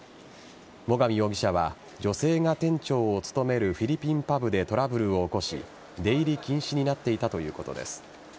最上容疑者は女性が店長を務めるフィリピンパブでトラブルを起こし出入り禁止になっていたということです。